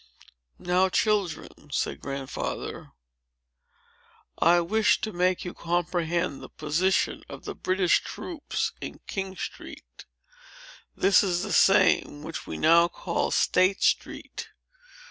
"Now, children," said Grandfather, "I wish to make you comprehend the position of the British troops in King Street. This is the same which we now call State Street.